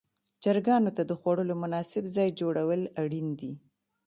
چرګانو ته د خوړلو مناسب ځای جوړول اړین دي.